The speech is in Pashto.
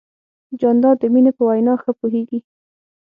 جانداد د مینې په وینا ښه پوهېږي.